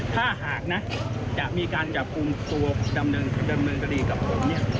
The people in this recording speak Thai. ถ้าหากนะจะมีการจับกลุ่มตัวดำเนินคดีกับผมเนี่ย